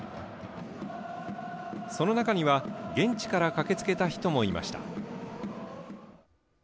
その中には、現地から駆けつけた人もいました。